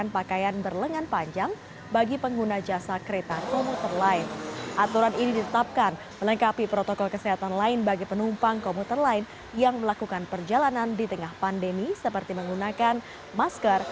pertama pertama pertama